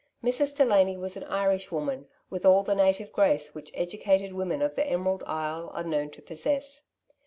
'* Mrs. Delany was an Irish wcoBSiy with all the natiTe grace which educated wrjasxm of the Emerald Is]e are known to pos&e«f